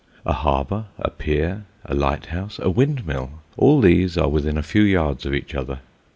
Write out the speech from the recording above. A harbour, a pier, a lighthouse, a windmill all these are within a few yards of each other.